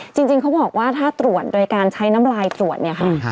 จริงเขาบอกว่าถ้าตรวจโดยการใช้น้ำลายตรวจเนี่ยค่ะ